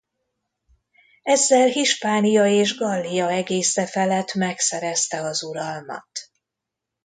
Ezzel Hispania és Gallia egésze felett megszerezte az uralmat.